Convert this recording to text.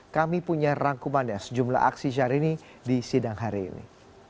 kami punya rangkumannya sejumlah aksi syahrini di sidang hari ini